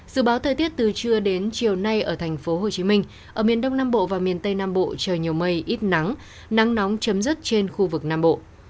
dự báo thời tiết từ trưa đến chiều nay ở tp hcm ở miền đông nam bộ và miền tây nam bộ trời nhiều mây ít nắng nắng nóng chấm dứt trên khu vực nam bộ